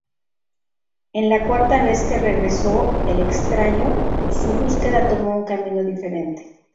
En la cuarta vez que regresó el Extraño, su búsqueda tomó un camino diferente.